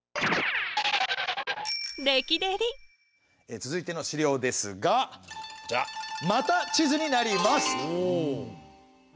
続いての資料ですがこちらまた地図になります。